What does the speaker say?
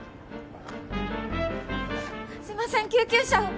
すいません救急車を！